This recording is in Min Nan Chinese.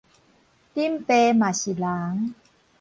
恁爸嘛是人